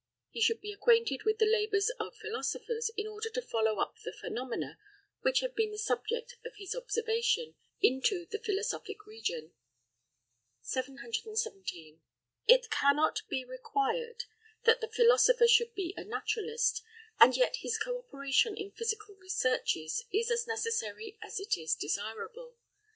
He should be acquainted with the labours of philosophers, in order to follow up the phenomena which have been the subject of his observation, into the philosophic region. 717. It cannot be required that the philosopher should be a naturalist, and yet his co operation in physical researches is as necessary as it is desirable.